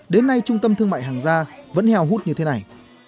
đến nay trung tâm thương mại hàng gia vẫn heo hút như thế này